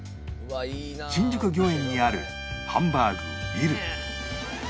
新宿御苑にあるハンバーグウィル